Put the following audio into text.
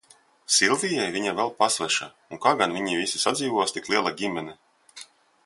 Silvijai viņa vēl pasveša, un kā gan viņi visi sadzīvos, tik liela ģimene!